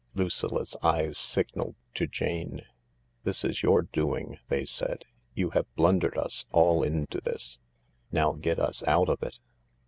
" Lucilla's eyes signalled to Jane. " This is your doing," they said. " You have blundered us all into this. Now get us out of it.